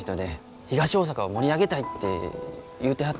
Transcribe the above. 東大阪を盛り上げたいって言うてはったんです。